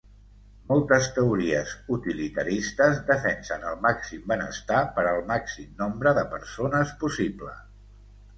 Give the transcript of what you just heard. Moltes teories utilitaristes defensen el màxim benestar per al màxim nombre de persones possible.